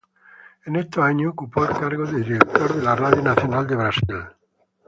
En estos años, ocupa el cargo de director de la Radio Nacional de Brasil.